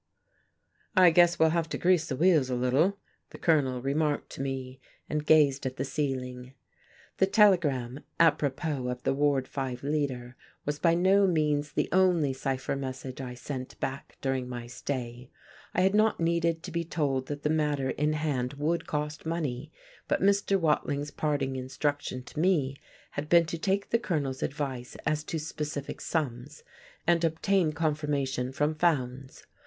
"I guess we'll have to grease the wheels a little," the Colonel remarked to me, and gazed at the ceiling.... The telegram apropos of the Ward Five leader was by no means the only cipher message I sent back during my stay. I had not needed to be told that the matter in hand would cost money, but Mr. Watling's parting instruction to me had been to take the Colonel's advice as to specific sums, and obtain confirmation from Fowndes.